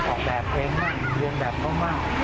ออกแบบเองเรียนแบบเขามาก